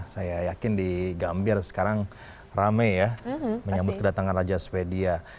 saya yakin di gambir sekarang rame ya menyambut kedatangan raja swedia